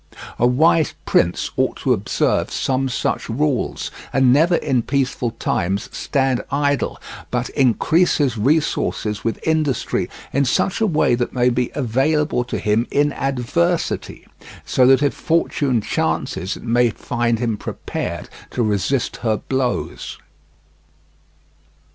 A wise prince ought to observe some such rules, and never in peaceful times stand idle, but increase his resources with industry in such a way that they may be available to him in adversity, so that if fortune chances it may find him prepared to resist her blows.